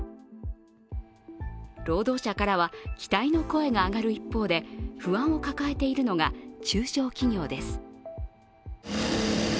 労働者からは期待の声が上がる一方で不安を抱えているのが中小企業です。